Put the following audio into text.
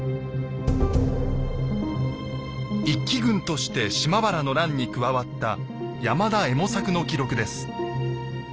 一揆軍として島原の乱に加わった山田右衛門作の記録です。